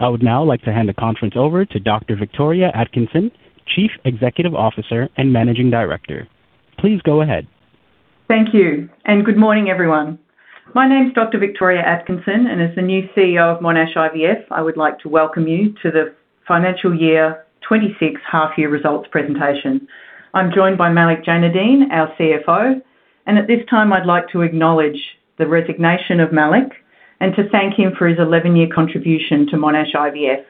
I would now like to hand the conference over to Dr Victoria Atkinson, Chief Executive Officer and Managing Director. Please go ahead. Thank you. Good morning, everyone. My name is Dr Victoria Atkinson, and as the new CEO of Monash IVF, I would like to welcome you to the financial year 2026 half year results presentation. I'm joined by Malik Jainudeen, our CFO, and at this time, I'd like to acknowledge the resignation of Malik and to thank him for his 11-year contribution to Monash IVF,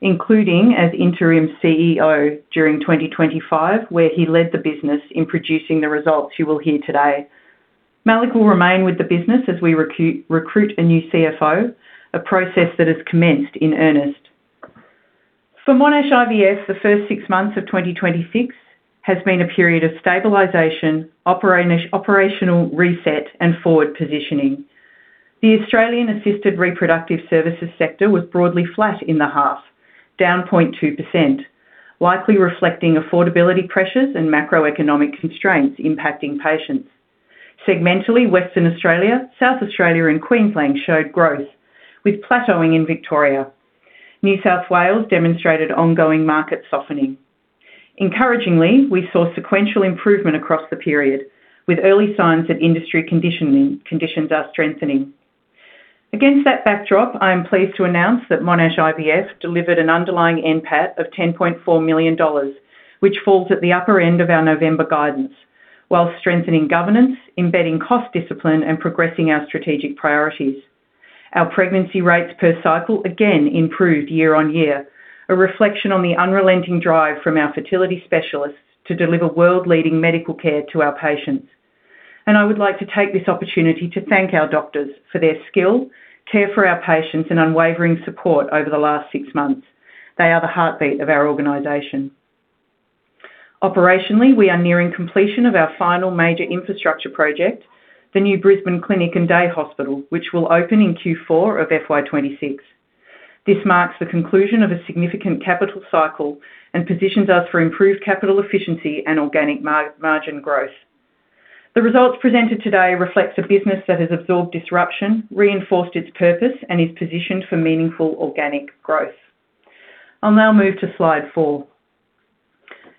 including as interim CEO during 2025, where he led the business in producing the results you will hear today. Malik will remain with the business as we recruit a new CFO, a process that has commenced in earnest. For Monash IVF, the first six months of 2026 has been a period of stabilization, operational reset, and forward positioning. The Australian Assisted Reproductive Services sector was broadly flat in the half, down 0.2%, likely reflecting affordability pressures and macroeconomic constraints impacting patients. Segmentally, Western Australia, South Australia, and Queensland showed growth, with plateauing in Victoria. New South Wales demonstrated ongoing market softening. Encouragingly, we saw sequential improvement across the period, with early signs that industry conditions are strengthening. Against that backdrop, I am pleased to announce that Monash IVF delivered an underlying NPAT of 10.4 million dollars, which falls at the upper end of our November guidance, while strengthening governance, embedding cost discipline, and progressing our strategic priorities. Our pregnancy rates per cycle again improved year-on-year, a reflection on the unrelenting drive from our fertility specialists to deliver world-leading medical care to our patients. I would like to take this opportunity to thank our doctors for their skill, care for our patients, and unwavering support over the last six months. They are the heartbeat of our organization. Operationally, we are nearing completion of our final major infrastructure project, the new Brisbane Clinic and Day Hospital, which will open in Q4 of FY 2026. This marks the conclusion of a significant capital cycle and positions us for improved capital efficiency and organic margin growth. The results presented today reflects a business that has absorbed disruption, reinforced its purpose, and is positioned for meaningful organic growth. I'll now move to slide 4.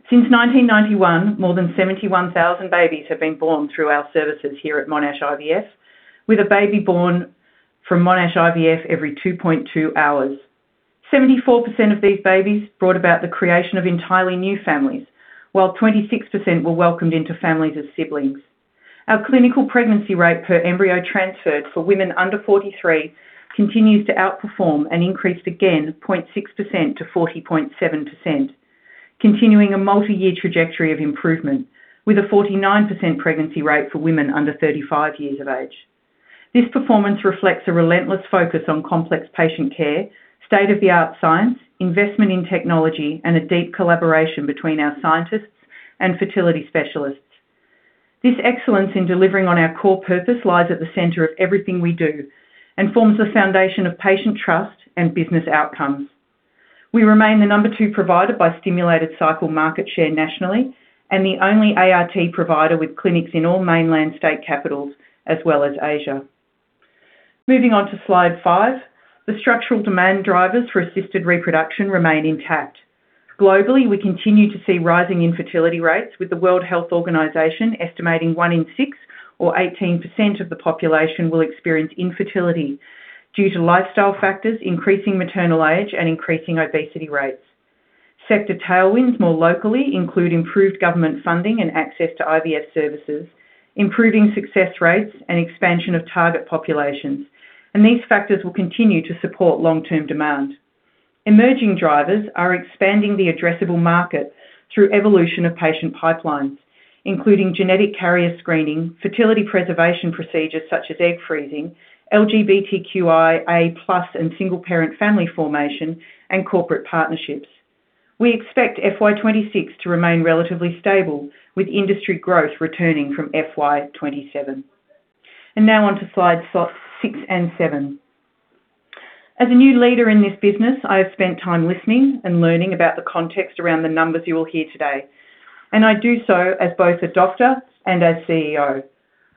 Since 1991, more than 71,000 babies have been born through our services here at Monash IVF, with a baby born from Monash IVF every 2.2 hours. 74% of these babies brought about the creation of entirely new families, while 26% were welcomed into families as siblings. Our clinical pregnancy rate per embryo transferred for women under 43 continues to outperform and increased again 0.6% to 40.7%, continuing a multi-year trajectory of improvement, with a 49% pregnancy rate for women under 35 years of age. This performance reflects a relentless focus on complex patient care, state-of-the-art science, investment in technology, and a deep collaboration between our scientists and fertility specialists. This excellence in delivering on our core purpose lies at the center of everything we do and forms the foundation of patient trust and business outcomes. We remain the number two provider by stimulated cycle market share nationally and the only ART provider with clinics in all mainland state capitals, as well as Asia. Moving on to slide five. The structural demand drivers for assisted reproduction remain intact. Globally, we continue to see rising infertility rates, with the World Health Organization estimating 1 in 6 or 18% of the population will experience infertility due to lifestyle factors, increasing maternal age, and increasing obesity rates. Sector tailwinds more locally include improved government funding and access to IVF services, improving success rates, and expansion of target populations. These factors will continue to support long-term demand. Emerging drivers are expanding the addressable market through evolution of patient pipelines, including genetic carrier screening, fertility preservation procedures such as egg freezing, LGBTQIA+ and single-parent family formation, and corporate partnerships. We expect FY 2026 to remain relatively stable, with industry growth returning from FY 2027. Now on to slides 6 and 7. As a new leader in this business, I have spent time listening and learning about the context around the numbers you will hear today, and I do so as both a doctor and as CEO.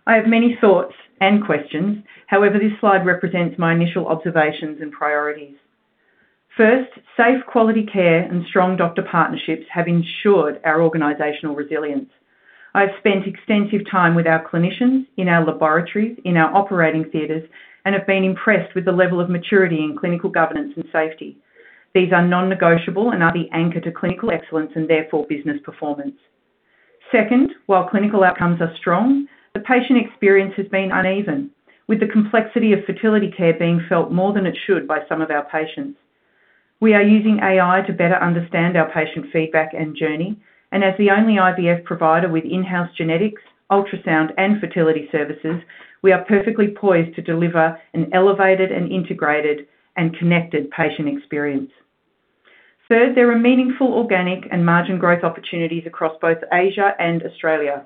I have many thoughts and questions. However, this slide represents my initial observations and priorities. First, safe quality care and strong doctor partnerships have ensured our organizational resilience. I have spent extensive time with our clinicians in our laboratories, in our operating theaters, and have been impressed with the level of maturity in clinical governance and safety. These are non-negotiable and are the anchor to clinical excellence and therefore business performance. Second, while clinical outcomes are strong, the patient experience has been uneven, with the complexity of fertility care being felt more than it should by some of our patients. We are using AI to better understand our patient feedback and journey, and as the only IVF provider with in-house genetics, ultrasound, and fertility services, we are perfectly poised to deliver an elevated and integrated and connected patient experience. Third, there are meaningful organic and margin growth opportunities across both Asia and Australia.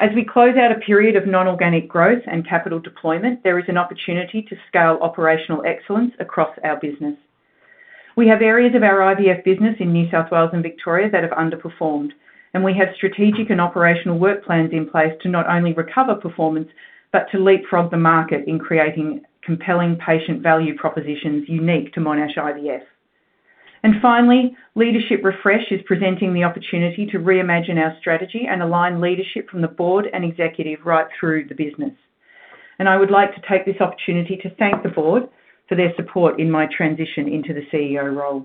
As we close out a period of non-organic growth and capital deployment, there is an opportunity to scale operational excellence across our business. We have areas of our IVF business in New South Wales and Victoria that have underperformed, and we have strategic and operational work plans in place to not only recover performance, but to leapfrog the market in creating compelling patient value propositions unique to Monash IVF. Finally, leadership refresh is presenting the opportunity to reimagine our strategy and align leadership from the board and executive right through the business. I would like to take this opportunity to thank the board for their support in my transition into the CEO role.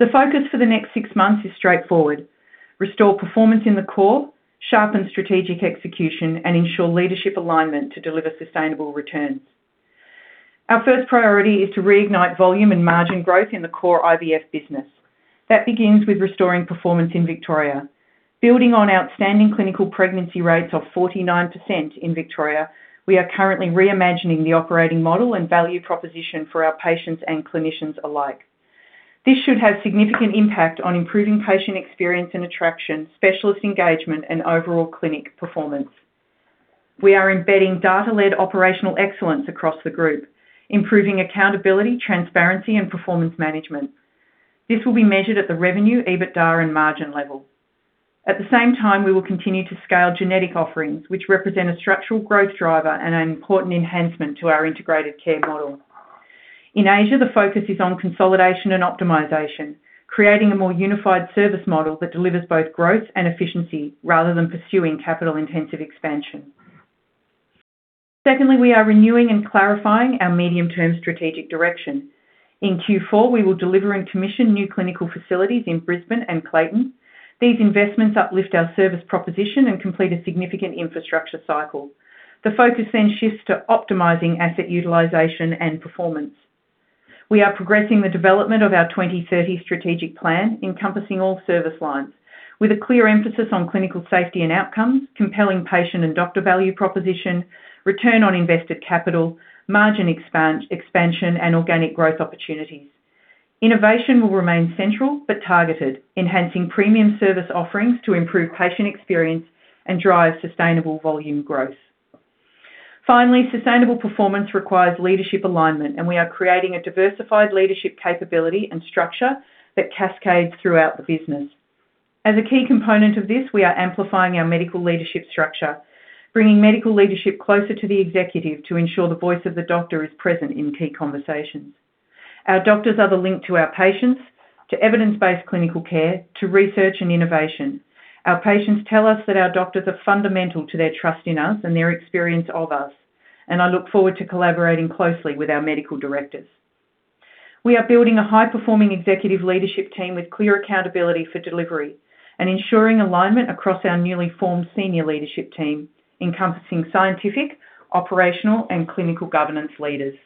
The focus for the next six months is straightforward: restore performance in the core, sharpen strategic execution, and ensure leadership alignment to deliver sustainable returns. Our first priority is to reignite volume and margin growth in the core IVF business. That begins with restoring performance in Victoria. Building on outstanding clinical pregnancy rates of 49% in Victoria, we are currently reimagining the operating model and value proposition for our patients and clinicians alike. This should have significant impact on improving patient experience and attraction, specialist engagement, and overall clinic performance. We are embedding data-led operational excellence across the group, improving accountability, transparency, and performance management. This will be measured at the revenue, EBITDA, and margin level. At the same time, we will continue to scale genetic offerings, which represent a structural growth driver and an important enhancement to our integrated care model. In Asia, the focus is on consolidation and optimization, creating a more unified service model that delivers both growth and efficiency, rather than pursuing capital-intensive expansion. We are renewing and clarifying our medium-term strategic direction. In Q4, we will deliver and commission new clinical facilities in Brisbane and Clayton. These investments uplift our service proposition and complete a significant infrastructure cycle. The focus shifts to optimizing asset utilization and performance. We are progressing the development of our 2030 strategic plan, encompassing all service lines, with a clear emphasis on clinical safety and outcomes, compelling patient and doctor value proposition, return on invested capital, margin expansion, and organic growth opportunities. Innovation will remain central but targeted, enhancing premium service offerings to improve patient experience and drive sustainable volume growth. Finally, sustainable performance requires leadership alignment, and we are creating a diversified leadership capability and structure that cascades throughout the business. As a key component of this, we are amplifying our medical leadership structure, bringing medical leadership closer to the executive to ensure the voice of the doctor is present in key conversations. Our doctors are the link to our patients, to evidence-based clinical care, to research and innovation. Our patients tell us that our doctors are fundamental to their trust in us and their experience of us, and I look forward to collaborating closely with our medical directors. We are building a high-performing executive leadership team with clear accountability for delivery and ensuring alignment across our newly formed senior leadership team, encompassing scientific, operational, and clinical governance leaders.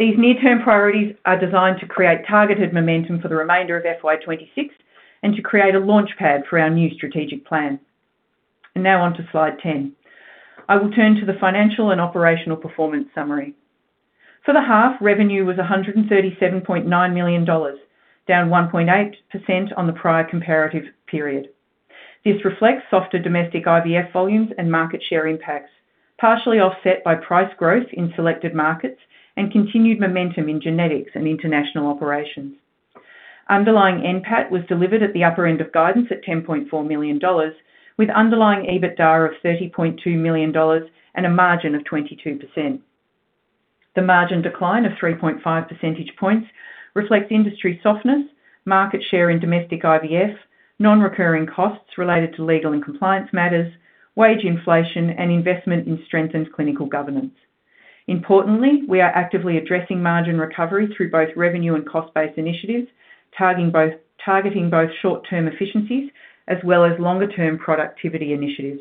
These near-term priorities are designed to create targeted momentum for the remainder of FY 2026 and to create a launchpad for our new strategic plan. Now on to Slide 10. I will turn to the financial and operational performance summary. For the half, revenue was 137.9 million dollars, down 1.8% on the prior comparative period. This reflects softer domestic IVF volumes and market share impacts, partially offset by price growth in selected markets and continued momentum in genetics and international operations. Underlying NPAT was delivered at the upper end of guidance at 10.4 million dollars, with underlying EBITDA of 30.2 million dollars and a margin of 22%. The margin decline of 3.5 percentage points reflects industry softness, market share in domestic IVF, non-recurring costs related to legal and compliance matters, wage inflation, and investment in strengthened clinical governance. Importantly, we are actively addressing margin recovery through both revenue and cost-based initiatives, targeting both short-term efficiencies as well as longer-term productivity initiatives.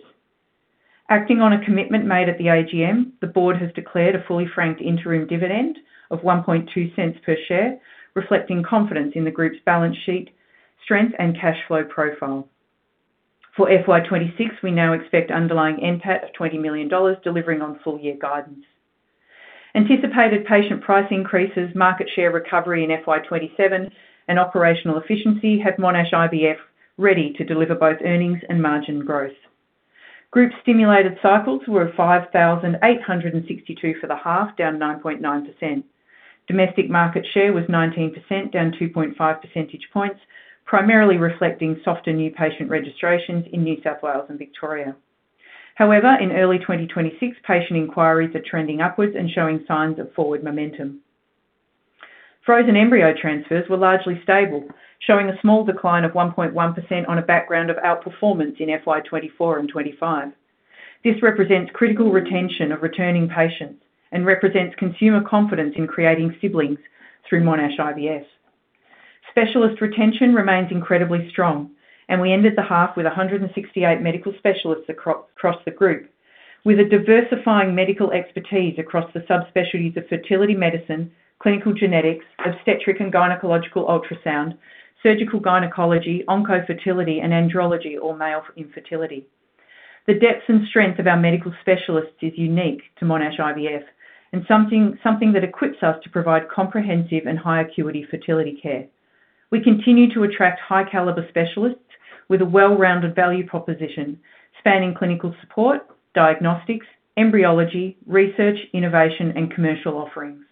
Acting on a commitment made at the AGM, the board has declared a fully franked interim dividend of 0.012 per share, reflecting confidence in the group's balance sheet, strength, and cash flow profile. For FY 2026, we now expect underlying NPAT of 20 million dollars, delivering on full-year guidance. Anticipated patient price increases, market share recovery in FY 2027, and operational efficiency have Monash IVF ready to deliver both earnings and margin growth. Group stimulated cycles were 5,862 for the half, down 9.9%. Domestic market share was 19%, down 2.5 percentage points, primarily reflecting softer new patient registrations in New South Wales and Victoria. In early 2026, patient inquiries are trending upwards and showing signs of forward momentum. Frozen embryo transfers were largely stable, showing a small decline of 1.1% on a background of outperformance in FY 2024 and 2025. This represents critical retention of returning patients and represents consumer confidence in creating siblings through Monash IVF. Specialist retention remains incredibly strong, we ended the half with 168 medical specialists across the group, with a diversifying medical expertise across the subspecialties of fertility medicine, clinical genetics, obstetric and gynecological ultrasound, surgical gynecology, oncofertility, and andrology or male infertility. The depth and strength of our medical specialists is unique to Monash IVF, and something that equips us to provide comprehensive and high acuity fertility care. We continue to attract high caliber specialists with a well-rounded value proposition, spanning clinical support, diagnostics, embryology, research, innovation, and commercial offerings.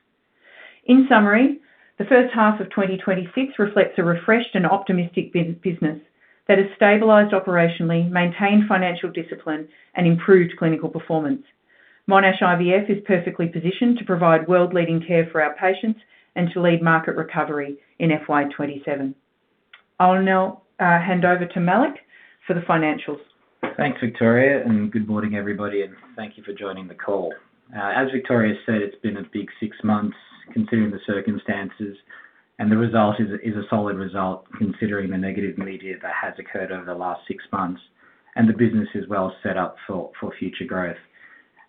In summary, the first half of 2026 reflects a refreshed and optimistic business that has stabilized operationally, maintained financial discipline, and improved clinical performance. Monash IVF is perfectly positioned to provide world-leading care for our patients and to lead market recovery in FY 2027. I'll now hand over to Malik for the financials. Thanks, Victoria. Good morning, everybody, and thank you for joining the call. As Victoria said, it's been a big six months considering the circumstances. The result is a solid result, considering the negative media that has occurred over the last six months. The business is well set up for future growth.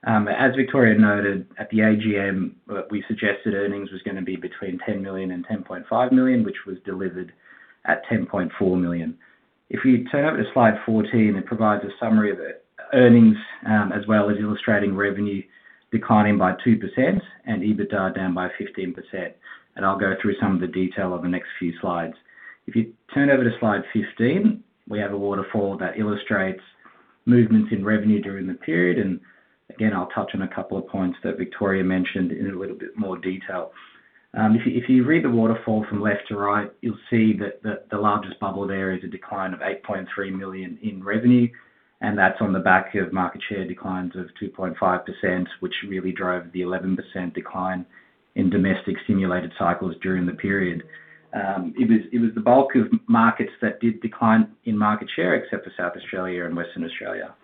As Victoria noted, at the AGM, we suggested earnings was gonna be between 10 million and 10.5 million, which was delivered at 10.4 million. If you turn over to slide 14, it provides a summary of the earnings, as well as illustrating revenue declining by 2% and EBITDA down by 15%. I'll go through some of the detail on the next few slides. If you turn over to slide 15, we have a waterfall that illustrates movements in revenue during the period. Again, I'll touch on a couple of points that Victoria mentioned in a little bit more detail. If you read the waterfall from left to right, you'll see that the largest bubble there is a decline of 8.3 million in revenue, and that's on the back of market share declines of 2.5%, which really drove the 11% decline in domestic stimulated cycles during the period. It was the bulk of markets that did decline in market share, except for South Australia and Western Australia.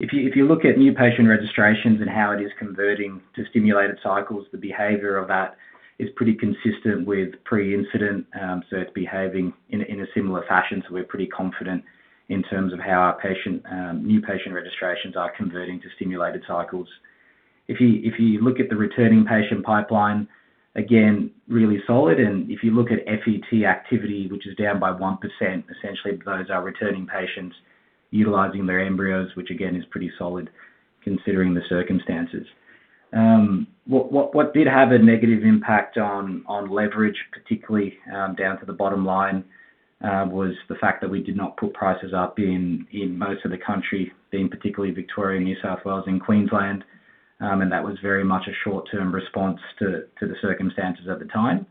If you look at New Patient Registrations and how it is converting to stimulated cycles, the behavior of that is pretty consistent with pre-incident. It's behaving in a similar fashion, so we're pretty confident in terms of how our patient New Patient Registrations are converting to stimulated cycles. If you look at the returning patient pipeline, again, really solid, and if you look at FET activity, which is down by 1%, essentially those are returning patients utilizing their embryos, which again, is pretty solid considering the circumstances. What did have a negative impact on leverage, particularly down to the bottom line, was the fact that we did not put prices up in most of the country, being particularly Victoria, New South Wales, and Queensland. That was very much a short-term response to the circumstances at the time.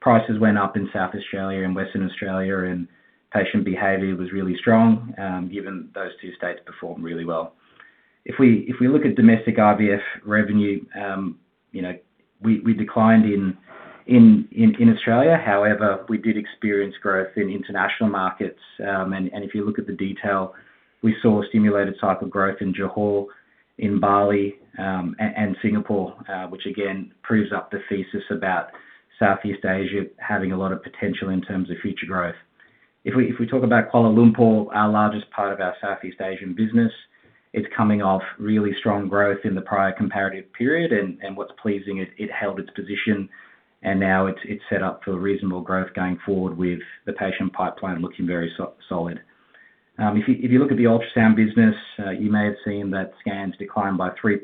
Prices went up in South Australia and Western Australia, and patient behavior was really strong, given those two states performed really well. If we look at domestic IVF revenue, you know, we declined in Australia. However, we did experience growth in international markets. If you look at the detail, we saw stimulated cycle growth in Johor, in Bali, and Singapore, which again, proves up the thesis about Southeast Asia having a lot of potential in terms of future growth. If we talk about Kuala Lumpur, our largest part of our Southeast Asian business, it's coming off really strong growth in the prior comparative period, and what's pleasing is it held its position, and now it's set up for reasonable growth going forward with the patient pipeline looking very solid. If you look at the ultrasound business, you may have seen that scans declined by 3%.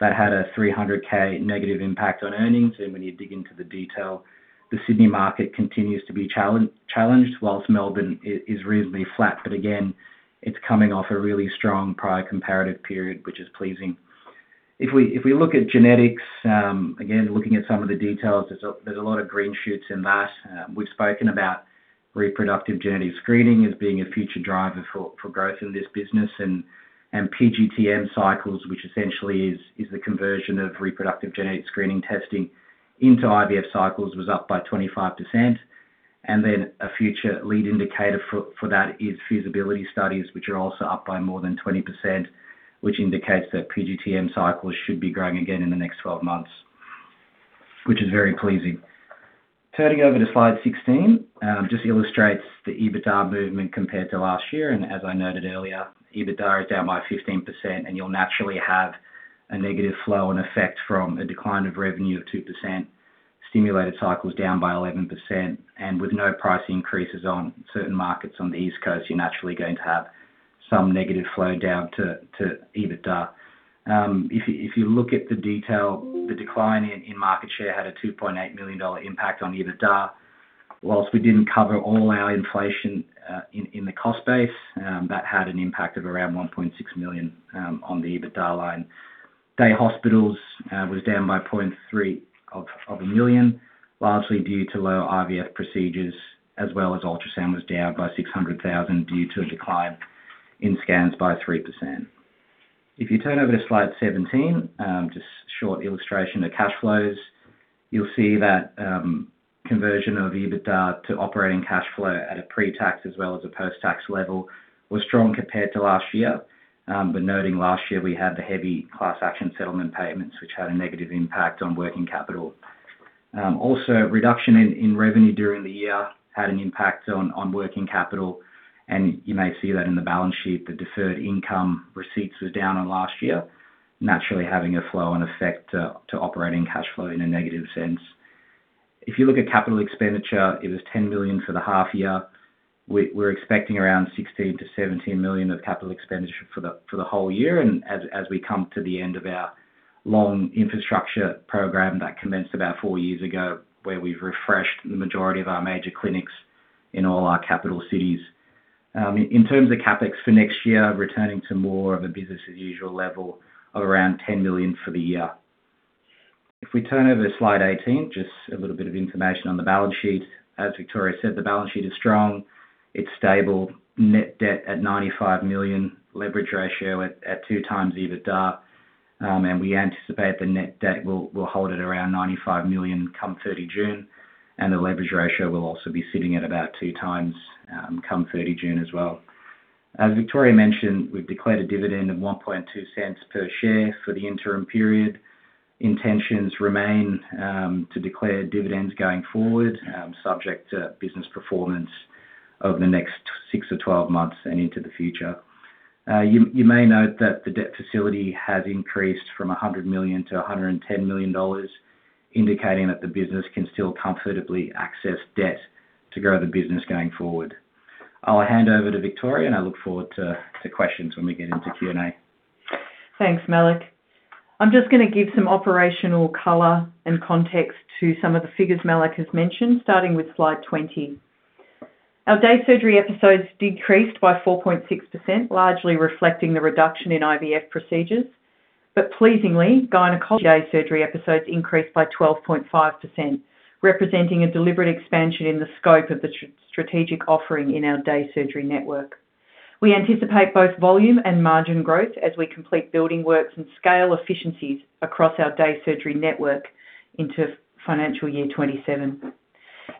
That had a 300K negative impact on earnings, when you dig into the detail, the Sydney market continues to be challenged, whilst Melbourne is reasonably flat. Again, it's coming off a really strong prior comparative period, which is pleasing. If we look at genetics, again, looking at some of the details, there's a lot of green shoots in that. We've spoken about Reproductive Genetic Screening as being a future driver for growth in this business, PGT-M cycles, which essentially is the conversion of Reproductive Genetic Screening testing into IVF cycles, was up by 25%. A future lead indicator for that is feasibility studies, which are also up by more than 20%, which indicates that PGT-M cycles should be growing again in the next 12 months, which is very pleasing. Turning over to slide 16, just illustrates the EBITDA movement compared to last year, as I noted earlier, EBITDA is down by 15%, and you'll naturally have a negative flow and effect from a decline of revenue of 2%, stimulated cycles down by 11%, and with no price increases on certain markets on the East Coast, you're naturally going to have some negative flow down to EBITDA. If you look at the detail, the decline in market share had a 2.8 million dollar impact on EBITDA. Whilst we didn't cover all our inflation in the cost base, that had an impact of around 1.6 million on the EBITDA line. Day hospitals was down by 0.3 million, largely due to lower IVF procedures, as well as ultrasound was down by 600,000 due to a decline in scans by 3%. If you turn over to slide 17, just a short illustration of cash flows. You'll see that conversion of EBITDA to operating cash flow at a pre-tax as well as a post-tax level was strong compared to last year. Noting last year, we had the heavy class action settlement payments, which had a negative impact on working capital. Also, reduction in revenue during the year had an impact on working capital, and you may see that in the balance sheet, the deferred income receipts were down on last year, naturally having a flow and effect to operating cash flow in a negative sense. If you look at capital expenditure, it was 10 million for the half year. We're expecting around 16 million-17 million of capital expenditure for the whole year, as we come to the end of our long infrastructure program that commenced about four years ago, where we've refreshed the majority of our major clinics in all our capital cities. In terms of CapEx for next year, returning to more of a business as usual level of around 10 million for the year. If we turn over to slide 18, just a little bit of information on the balance sheet. As Victoria said, the balance sheet is strong, it's stable. Net debt at 95 million, leverage ratio at 2x EBITDA, and we anticipate the net debt will hold at around 95 million, come 30 June, and the leverage ratio will also be sitting at about 2x, come 30 June as well. As Victoria mentioned, we've declared a dividend of 0.012 per share for the interim period. Intentions remain to declare dividends going forward, subject to business performance over the next six to 12 months and into the future. You may note that the debt facility has increased from 100 million to 110 million dollars, indicating that the business can still comfortably access debt to grow the business going forward. I'll hand over to Victoria, and I look forward to questions when we get into Q&A. Thanks, Malik. I'm just gonna give some operational color and context to some of the figures Malik has mentioned, starting with slide 20. Our day surgery episodes decreased by 4.6%, largely reflecting the reduction in IVF procedures. Pleasingly, gynecology day surgery episodes increased by 12.5%, representing a deliberate expansion in the scope of the strategic offering in our day surgery network. We anticipate both volume and margin growth as we complete building works and scale efficiencies across our day surgery network into financial year 2027.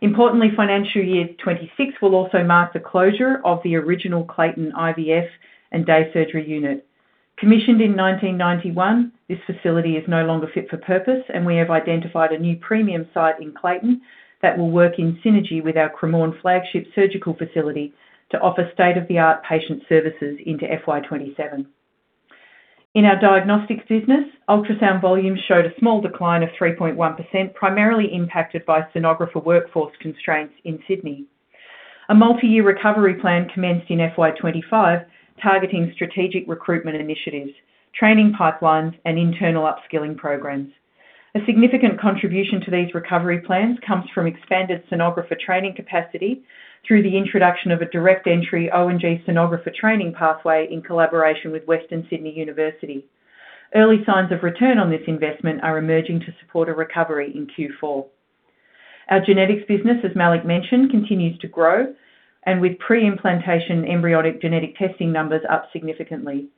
Importantly, financial year 2026 will also mark the closure of the original Clayton IVF and Day Surgery Unit. Commissioned in 1991, this facility is no longer fit for purpose, and we have identified a new premium site in Clayton that will work in synergy with our Cremorne flagship surgical facility to offer state-of-the-art patient services into FY 2027. In our diagnostics business, ultrasound volumes showed a small decline of 3.1%, primarily impacted by sonographer workforce constraints in Sydney. A multi-year recovery plan commenced in FY 2025, targeting strategic recruitment initiatives, training pipelines, and internal upskilling programs. A significant contribution to these recovery plans comes from expanded sonographer training capacity through the introduction of a direct entry O&G sonographer training pathway in collaboration with Western Sydney University. Early signs of return on this investment are emerging to support a recovery in Q4. Our genetics business, as Malik mentioned, continues to grow, and with preimplantation, embryonic genetic testing numbers up significantly.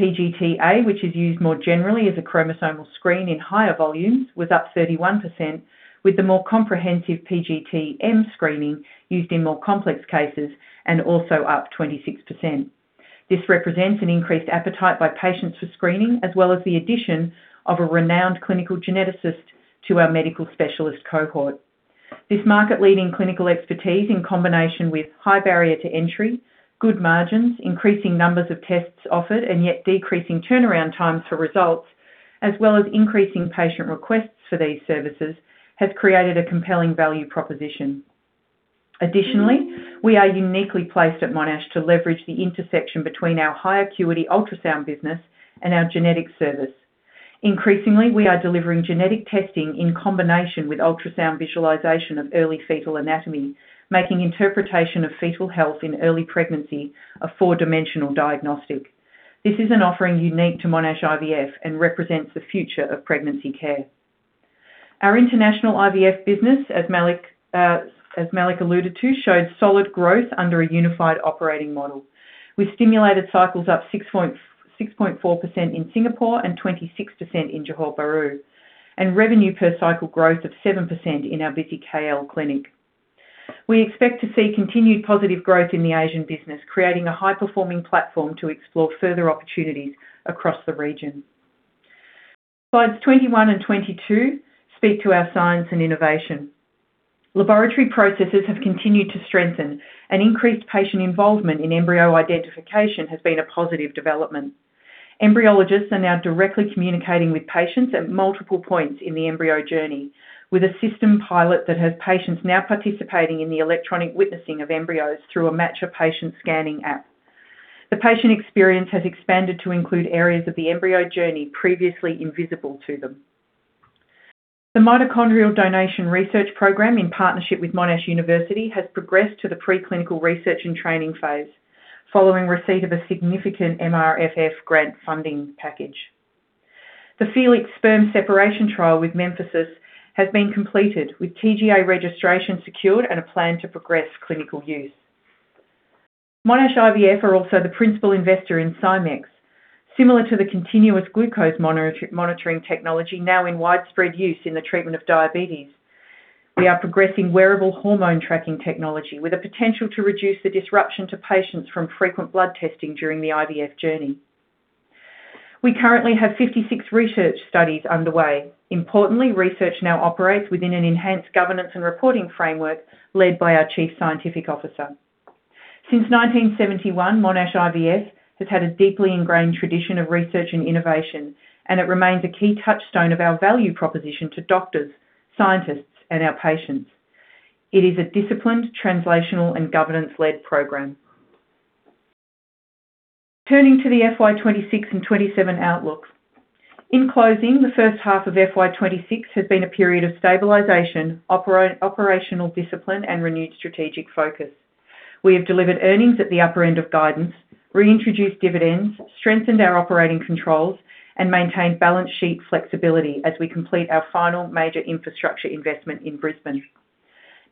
PGTA, which is used more generally as a chromosomal screen in higher volumes, was up 31%, with the more comprehensive PGT-M screening used in more complex cases and also up 26%. This represents an increased appetite by patients for screening, as well as the addition of a renowned clinical geneticist to our medical specialist cohort. This market-leading clinical expertise, in combination with high barrier to entry, good margins, increasing numbers of tests offered, and yet decreasing turnaround times for results, as well as increasing patient requests for these services, has created a compelling value proposition. We are uniquely placed at Monash to leverage the intersection between our high acuity ultrasound business and our genetic service. Increasingly, we are delivering genetic testing in combination with ultrasound visualization of early fetal anatomy, making interpretation of fetal health in early pregnancy a 4-dimensional diagnostic. This is an offering unique to Monash IVF and represents the future of pregnancy care. Our international IVF business, as Malik alluded to, showed solid growth under a unified operating model, with stimulated cycles up 6.4% in Singapore and 26% in Johor Bahru, and revenue per cycle growth of 7% in our busy KL clinic. We expect to see continued positive growth in the Asian business, creating a high-performing platform to explore further opportunities across the region. Slides 21 and 22 speak to our science and innovation. Laboratory processes have continued to strengthen, and increased patient involvement in embryo identification has been a positive development. Embryologists are now directly communicating with patients at multiple points in the embryo journey, with a system pilot that has patients now participating in the electronic witnessing of embryos through a Matcher patient scanning app. The patient experience has expanded to include areas of the embryo journey previously invisible to them. The mitochondrial donation research program, in partnership with Monash University, has progressed to the preclinical research and training phase, following receipt of a significant MRFF grant funding package. The Felix sperm separation trial with Memphasys has been completed, with TGA registration secured and a plan to progress clinical use. Monash IVF are also the principal investor in [Simec]. Similar to the continuous glucose monitoring technology now in widespread use in the treatment of diabetes, we are progressing wearable hormone tracking technology with a potential to reduce the disruption to patients from frequent blood testing during the IVF journey. We currently have 56 research studies underway. Research now operates within an enhanced governance and reporting framework led by our chief scientific officer. Since 1971, Monash IVF has had a deeply ingrained tradition of research and innovation, it remains a key touchstone of our value proposition to doctors, scientists, and our patients. It is a disciplined, translational, and governance-led program. Turning to the FY 2026 and 2027 outlooks. In closing, the first half of FY 2026 has been a period of stabilization, operational discipline, and renewed strategic focus. We have delivered earnings at the upper end of guidance, reintroduced dividends, strengthened our operating controls, and maintained balance sheet flexibility as we complete our final major infrastructure investment in Brisbane.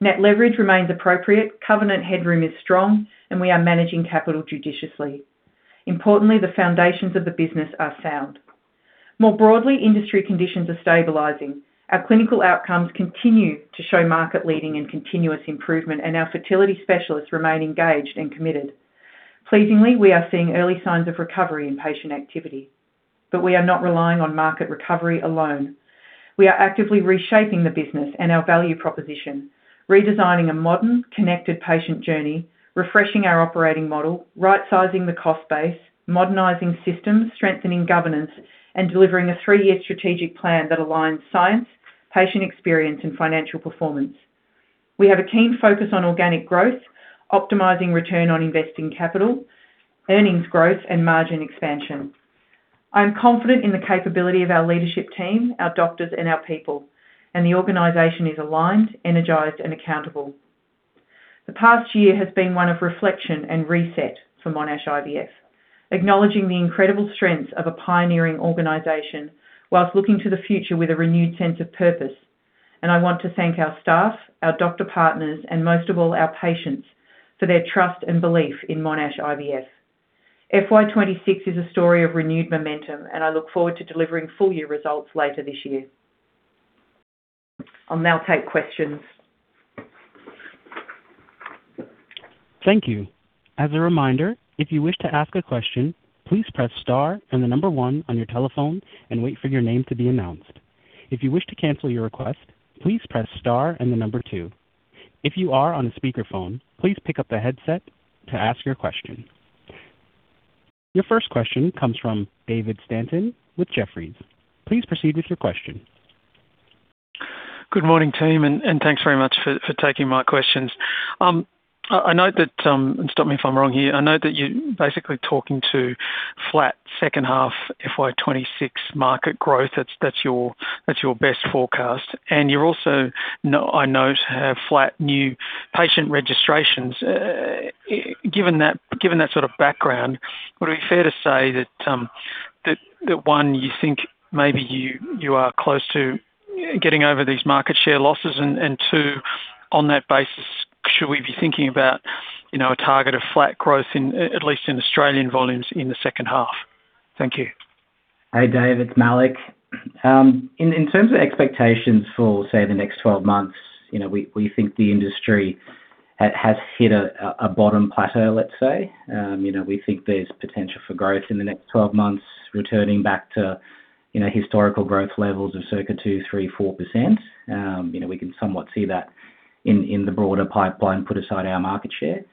Net leverage remains appropriate, covenant headroom is strong, we are managing capital judiciously. Importantly, the foundations of the business are sound. More broadly, industry conditions are stabilizing. Our clinical outcomes continue to show market leading and continuous improvement, our fertility specialists remain engaged and committed. Pleasingly, we are seeing early signs of recovery in patient activity. We are not relying on market recovery alone. We are actively reshaping the business and our value proposition, redesigning a modern, connected patient journey, refreshing our operating model, right-sizing the cost base, modernizing systems, strengthening governance, and delivering a three year strategic plan that aligns science, patient experience, and financial performance. We have a keen focus on organic growth, optimizing return on investing capital, earnings growth, and margin expansion. I am confident in the capability of our leadership team, our doctors, and our people, and the organization is aligned, energized, and accountable. The past year has been one of reflection and reset for Monash IVF, acknowledging the incredible strengths of a pioneering organization whilst looking to the future with a renewed sense of purpose. I want to thank our staff, our doctor partners, and most of all, our patients for their trust and belief in Monash IVF. FY 2026 is a story of renewed momentum, and I look forward to delivering full year results later this year. I'll now take questions. Thank you. As a reminder, if you wish to ask a question, please press star and the number one on your telephone and wait for your name to be announced. If you wish to cancel your request, please press star and the number two. If you are on a speakerphone, please pick up the headset to ask your question. Your first question comes from David Stanton with Jefferies. Please proceed with your question. Good morning, team, and thanks very much for taking my questions. I note that, and stop me if I'm wrong here, I note that you're basically talking to flat second half FY 2026 market growth. That's, that's your, that's your best forecast, and you're also, I note, have flat New Patient Registrations. Given that, given that sort of background, would it be fair to say that, one, you think maybe you are close to getting over these market share losses, and two, on that basis, should we be thinking about, you know, a target of flat growth in, at least in Australian volumes in the second half? Thank you. Hey, Dave, it's Malik. In terms of expectations for, say, the next 12 months, you know, we think the industry has hit a bottom plateau, let's say. You know, we think there's potential for growth in the next 12 months, returning back to, you know, historical growth levels of circa 2%, 3%, 4%. You know, we can somewhat see that in the broader pipeline, put aside our market share.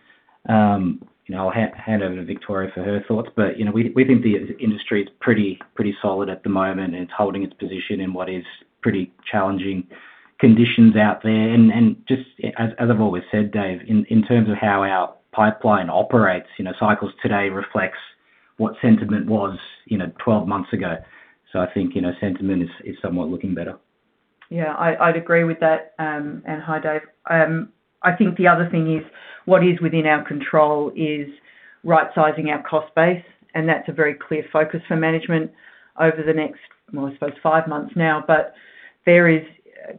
You know, I'll hand over to Victoria for her thoughts, but, you know, we think the industry is pretty solid at the moment. It's holding its position in what is pretty challenging conditions out there. Just as I've always said, Dave, in terms of how our pipeline operates, you know, cycles today reflects what sentiment was, you know, 12 months ago. I think, you know, sentiment is somewhat looking better. Yeah, I'd agree with that, and hi, Dave. I think the other thing is, what is within our control is right-sizing our cost base, and that's a very clear focus for management over the next, well, I suppose, 5 months now. There is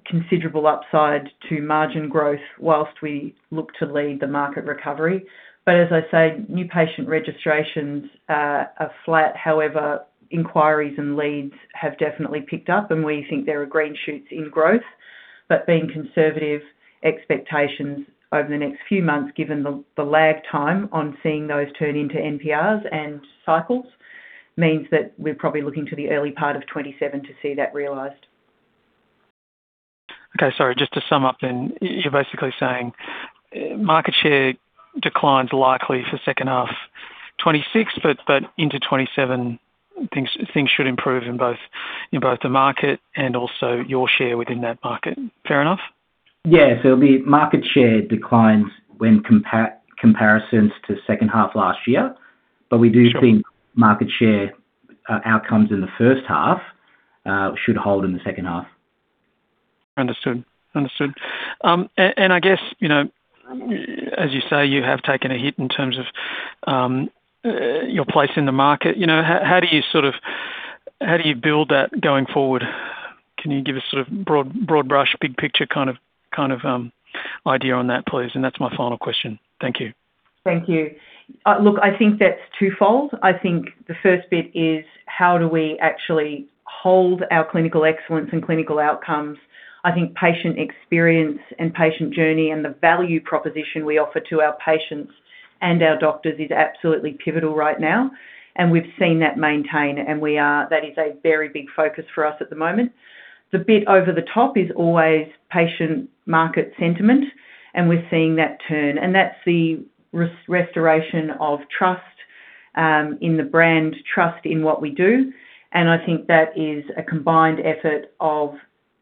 considerable upside to margin growth whilst we look to lead the market recovery. As I say, new patient registrations are flat. However, inquiries and leads have definitely picked up, and we think there are green shoots in growth. Being conservative, expectations over the next few months, given the lag time on seeing those turn into NPRs and cycles, means that we're probably looking to the early part of 2027 to see that realized. Sorry, just to sum up then, you're basically saying, market share declines likely for second half 2026, but into 2027, things should improve in both the market and also your share within that market. Fair enough? Yeah. The market share declines when comparisons to second half last year. Sure... do think market share, outcomes in the first half, should hold in the second half. Understood. Understood. I guess, you know, as you say, you have taken a hit in terms of, your place in the market. You know, how do you, sort of, how do you build that going forward? Can you give a sort of broad brush, big picture, kind of, idea on that, please? That's my final question. Thank you. Thank you. Look, I think that's twofold. I think the first bit is, how do we actually hold our clinical excellence and clinical outcomes? I think patient experience and patient journey, and the value proposition we offer to our patients and our doctors is absolutely pivotal right now, and we've seen that maintain. That is a very big focus for us at the moment. The bit over the top is always patient-market sentiment, and we're seeing that turn, and that's the restoration of trust in the brand, trust in what we do. I think that is a combined effort of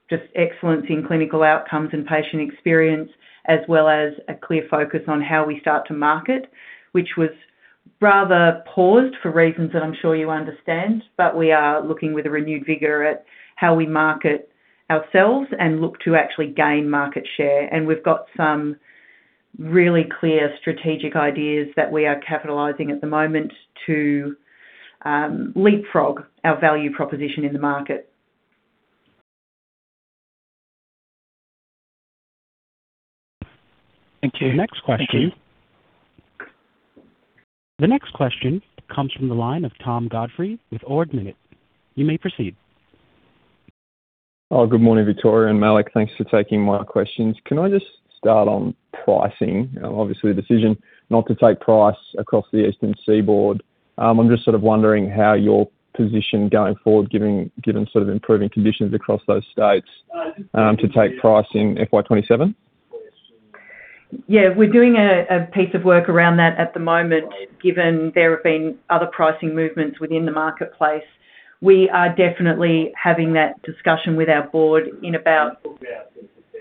just excellence in clinical outcomes and patient experience, as well as a clear focus on how we start to market, which was. rather paused for reasons that I'm sure you understand, but we are looking with a renewed vigor at how we market ourselves and look to actually gain market share. We've got some really clear strategic ideas that we are capitalizing at the moment to leapfrog our value proposition in the market. Thank you. The next question comes from the line of Tom Godfrey with Ord Minnett. You may proceed. Good morning, Victoria and Malik. Thanks for taking my questions. Can I just start on pricing? Obviously, the decision not to take price across the Eastern Seaboard. I'm just sort of wondering how your position going forward, given sort of improving conditions across those states, to take price in FY 2027. Yeah, we're doing a piece of work around that at the moment, given there have been other pricing movements within the marketplace. We are definitely having that discussion with our board.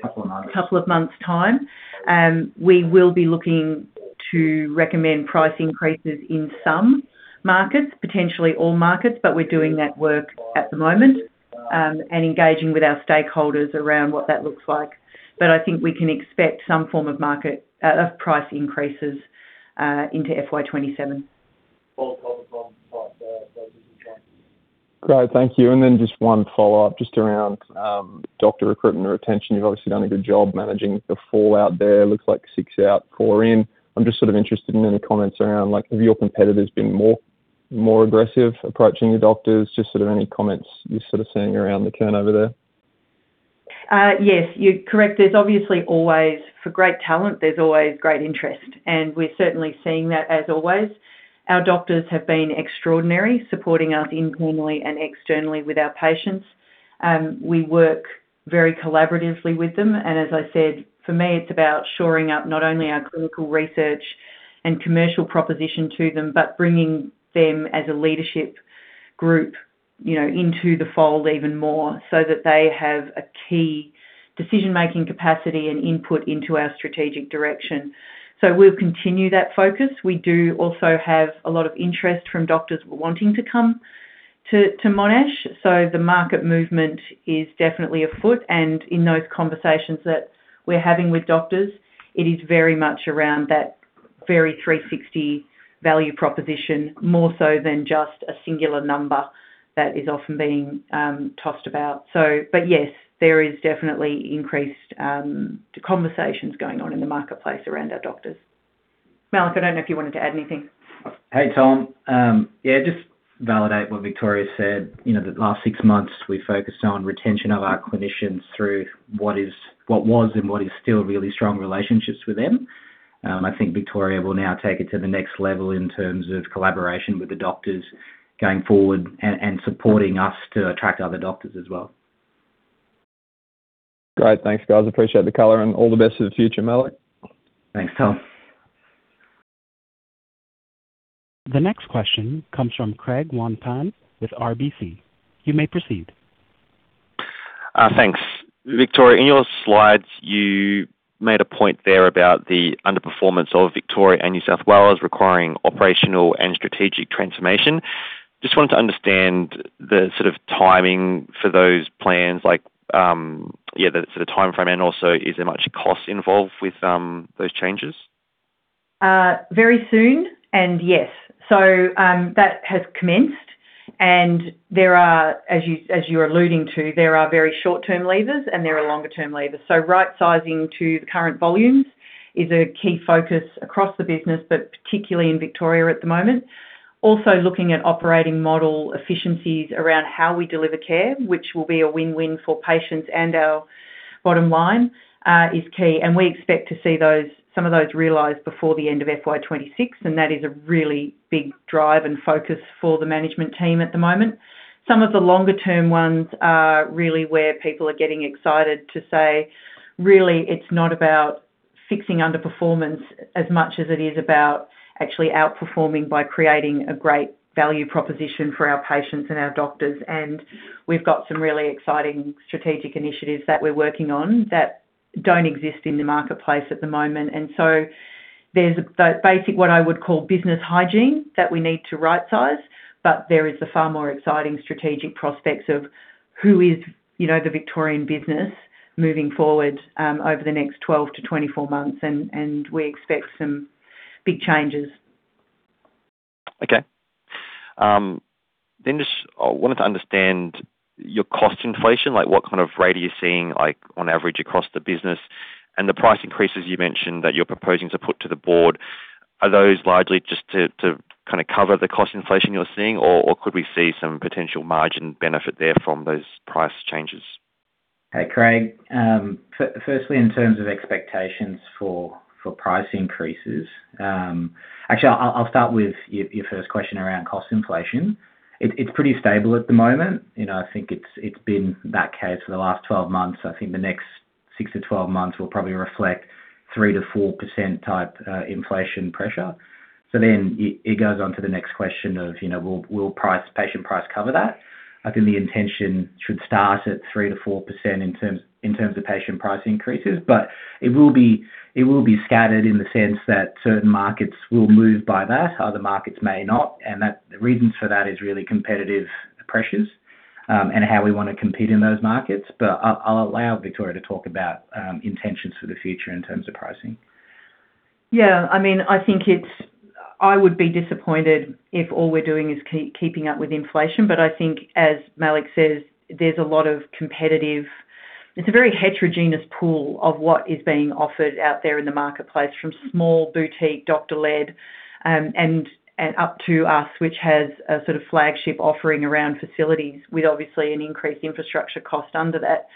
Couple of months. Couple of months time. We will be looking to recommend price increases in some markets, potentially all markets, but we're doing that work at the moment, and engaging with our stakeholders around what that looks like. I think we can expect some form of market of price increases into FY 2027. Great. Thank you. Just one follow-up, just around doctor recruitment, retention. You've obviously done a good job managing the fallout there. Looks like 6 out, 4 in. I'm just sort of interested in any comments around, like, have your competitors been more aggressive approaching your doctors? Just sort of any comments you're sort of seeing around the turnover there. Yes, you're correct. There's obviously always, for great talent, there's always great interest. We're certainly seeing that as always. Our doctors have been extraordinary, supporting us internally and externally with our patients. We work very collaboratively with them. As I said, for me, it's about shoring up not only our clinical research and commercial proposition to them, but bringing them as a leadership group, you know, into the fold even more, that they have a key decision-making capacity and input into our strategic direction. We'll continue that focus. We do also have a lot of interest from doctors wanting to come to Monash. The market movement is definitely afoot, and in those conversations that we're having with doctors, it is very much around that very 360 value proposition, more so than just a singular number that is often being tossed about. Yes, there is definitely increased conversations going on in the marketplace around our doctors. Malik, I don't know if you wanted to add anything. Hey, Tom. Yeah, just validate what Victoria said. You know, the last six months, we focused on retention of our clinicians through what is, what was, and what is still really strong relationships with them. I think Victoria will now take it to the next level in terms of collaboration with the doctors going forward and supporting us to attract other doctors as well. Great. Thanks, guys. Appreciate the color and all the best for the future, Malik. Thanks, Tom. The next question comes from Craig Wong-Pan with RBC. You may proceed. Thanks. Victoria, in your slides, you made a point there about the underperformance of Victoria and New South Wales requiring operational and strategic transformation. Just wanted to understand the sort of timing for those plans, like, yeah, the sort of timeframe, and also, is there much cost involved with those changes? Very soon, and yes. That has commenced, and there are, as you're alluding to, there are very short-term levers, and there are longer-term levers. Right sizing to the current volumes is a key focus across the business, but particularly in Victoria at the moment. Also, looking at operating model efficiencies around how we deliver care, which will be a win-win for patients and our bottom line, is key, and we expect to see some of those realized before the end of FY 2026, and that is a really big drive and focus for the management team at the moment. Some of the longer-term ones are really where people are getting excited to say, really, it's not about fixing underperformance as much as it is about actually outperforming by creating a great value proposition for our patients and our doctors. We've got some really exciting strategic initiatives that we're working on that don't exist in the marketplace at the moment. There's a so basic, what I would call business hygiene, that we need to rightsize, but there is a far more exciting strategic prospects of who is, you know, the Victorian business moving forward, over the next 12 to 24 months, and we expect some big changes. Okay. Just, I wanted to understand your cost inflation, like, what kind of rate are you seeing, like, on average across the business? The price increases you mentioned that you're proposing to put to the board, are those largely just to kind of cover the cost inflation you're seeing, or could we see some potential margin benefit there from those price changes? Hey, Craig. Firstly, in terms of expectations for price increases. Actually, I'll start with your first question around cost inflation. It's pretty stable at the moment. You know, I think it's been that case for the last 12 months. I think the six to 12 months will probably reflect 3%-4% type inflation pressure. It goes on to the next question of, you know, will price, patient price cover that? I think the intention should start at 3%-4% in terms of patient price increases. It will be scattered in the sense that certain markets will move by that, other markets may not. The reasons for that is really competitive pressures and how we want to compete in those markets. I'll allow Victoria to talk about intentions for the future in terms of pricing. Yeah, I mean, I think I would be disappointed if all we're doing is keeping up with inflation. I think, as Malik says, there's a lot of competitive... It's a very heterogeneous pool of what is being offered out there in the marketplace, from small boutique, doctor-led, and up to us, which has a sort of flagship offering around facilities, with obviously an increased infrastructure cost under that.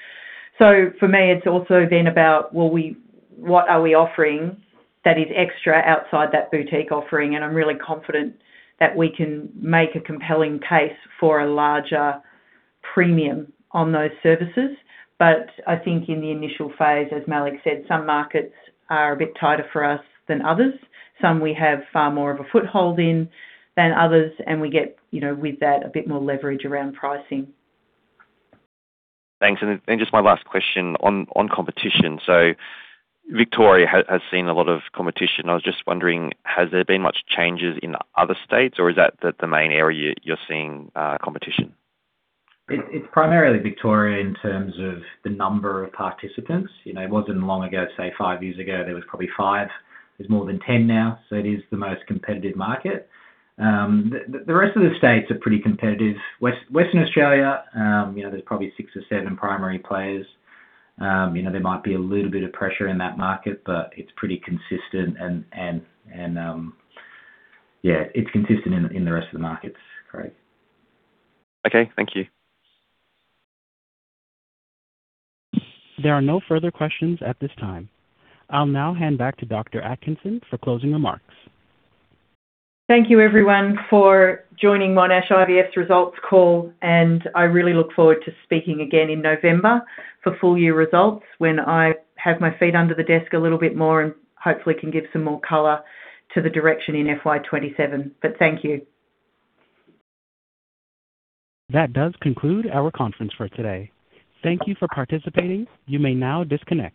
For me, it's also been about, what are we offering that is extra outside that boutique offering? I'm really confident that we can make a compelling case for a larger premium on those services. I think in the initial phase, as Malik said, some markets are a bit tighter for us than others. Some we have far more of a foothold in than others, and we get, you know, with that, a bit more leverage around pricing. Thanks. Just my last question on competition. Victoria has seen a lot of competition. I was just wondering, has there been much changes in other states, or is that the main area you're seeing, competition? It's primarily Victoria, in terms of the number of participants. You know, it wasn't long ago, say, five years ago, there was probably five. There's more than 10 now, so it is the most competitive market. The rest of the states are pretty competitive. Western Australia, you know, there's probably six or seven primary players. You know, there might be a little bit of pressure in that market, but it's pretty consistent and, yeah, it's consistent in the rest of the markets, Craig. Okay, thank you. There are no further questions at this time. I'll now hand back to Dr. Atkinson for closing remarks. Thank you, everyone, for joining Monash IVF's results call, and I really look forward to speaking again in November for full year results, when I have my feet under the desk a little bit more and hopefully can give some more color to the direction in FY 2027. Thank you. That does conclude our conference for today. Thank you for participating. You may now disconnect.